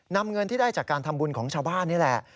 นำเงินที่ได้จากการทำบุญของชาวบ้านนี่แหละ